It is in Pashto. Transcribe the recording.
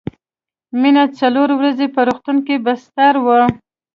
مينه څلور ورځې په روغتون کې بستر وه